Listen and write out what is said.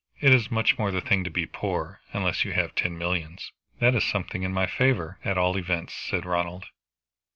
It is much more the thing to be poor, unless you have ten millions." "That is something in my favor, at all events," said Ronald.